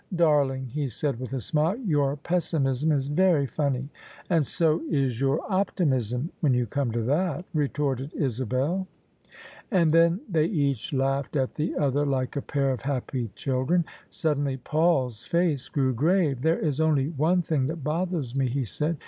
" Darling," he said with a smile; " your pessimism is very funny." " And so is your optimism, when you come to that," retorted Isabel. OF ISABEL CARNABY And then they each laughed at the other like a pair of happy children. Suddenly Paul's face grew grave. " There is only one thing that bothers me," he said.